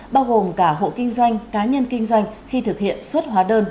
bao gồm cả hộ kinh doanh cá nhân kinh doanh khi thực hiện xuất hóa đơn